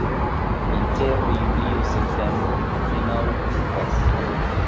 Inter julio-septembro apenaŭ pluvas.